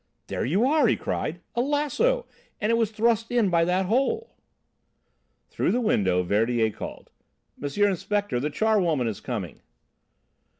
"There you are!" he cried. "A lasso! And it was thrust in by that hole." Through the window, Verdier called: "M. Inspector, the charwoman is coming."